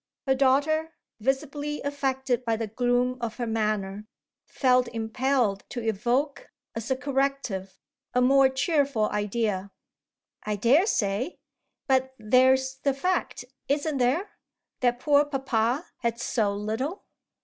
Her daughter, visibly affected by the gloom of her manner, felt impelled to evoke as a corrective a more cheerful idea. "I daresay; but there's the fact isn't there? that poor papa had so little."